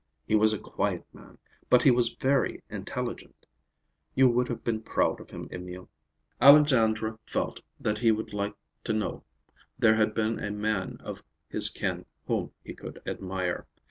He was a quiet man, but he was very intelligent. You would have been proud of him, Emil." Alexandra felt that he would like to know there had been a man of his kin whom he could admire.